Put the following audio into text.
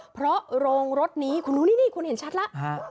เพราะโรงรถนี้คุณรู้นี่คุณเห็นชัดแล้ว